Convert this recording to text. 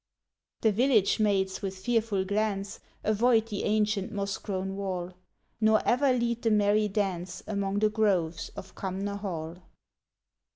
The village maids, with fearful glance, Avoid the ancient moss grown wall, Nor ever lead the merry dance, Among the groves of Cumnor Hall.